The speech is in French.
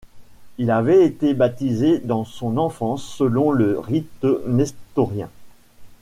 Il avait été baptisé dans son enfance selon le rite nestorien.